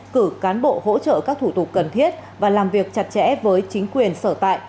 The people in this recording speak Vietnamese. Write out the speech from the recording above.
cử cán bộ hỗ trợ các thủ tục cần thiết và làm việc chặt chẽ với chính quyền sở tại